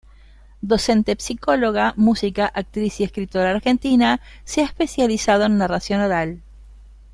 Docente, psicóloga, música, actriz y escritora argentina, se ha especializado en narración oral.